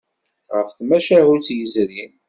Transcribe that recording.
Ɣef tmacahut yezrin.